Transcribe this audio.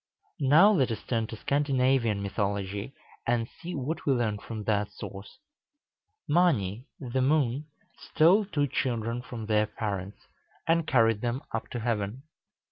Now let us turn to Scandinavian mythology, and see what we learn from that source. Mâni, the moon, stole two children from their parents, and carried them up to heaven.